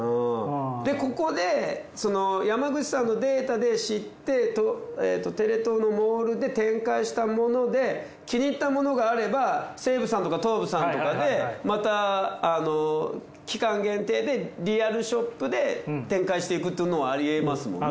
でここで山口さんのデータで知ってテレ東のモールで展開したもので気に入ったものがあれば西武さんとか東武さんとかでまた期間限定でリアルショップで展開していくっていうのもありえますもんね。